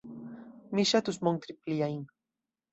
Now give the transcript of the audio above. Mi ŝatus montri pliajn.